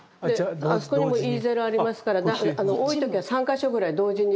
であそこにもイーゼルありますから多い時は３か所ぐらい同時に。